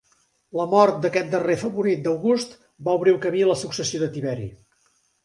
La mort d'aquest darrer, favorit d'August, va obrir el camí a la successió de Tiberi.